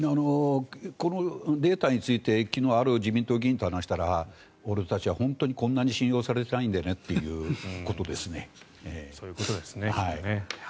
このデータについて昨日、ある自民党議員と話したら俺たちは本当にこんなに信用されてないんだなってことですね。